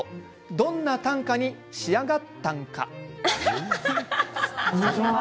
どんな短歌に仕上がっ短歌。